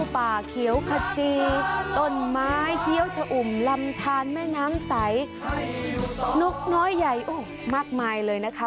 ป่าเขียวขจีต้นไม้เคี้ยวชะอุ่มลำทานแม่น้ำใสนกน้อยใหญ่มากมายเลยนะคะ